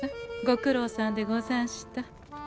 ご苦労さんでござんした。